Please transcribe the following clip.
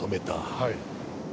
はい。